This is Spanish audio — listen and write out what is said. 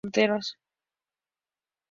Autobús, Villarcayo-Espinosa de los Monteros.